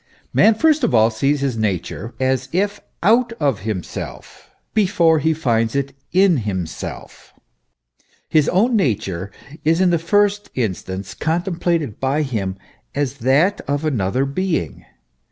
Man first of all sees his nature as if out of himself, before he finds it in himself. His own nature is in the first instance contemplated by him as that of another being.